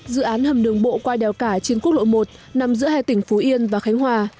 dự án hầm đường bộ qua đèo cả trên quốc lộ một nằm giữa hai tỉnh phú yên và khánh hòa